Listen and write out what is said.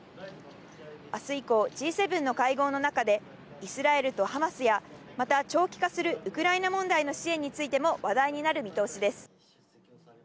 あす以降、Ｇ７の会合の中でイスラエルとハマスや、また長期化するウクライナ問題の支援についても話題になる見通しです。